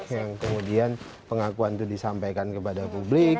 yang kemudian pengakuan itu disampaikan kepada publik